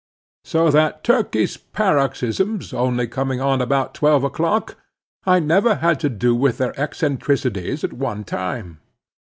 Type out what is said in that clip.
So that Turkey's paroxysms only coming on about twelve o'clock, I never had to do with their eccentricities at one time.